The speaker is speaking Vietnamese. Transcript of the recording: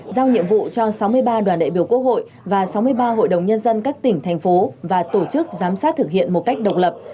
giao nhiệm vụ cho sáu mươi ba đoàn đại biểu quốc hội và sáu mươi ba hội đồng nhân dân các tỉnh thành phố và tổ chức giám sát thực hiện một cách độc lập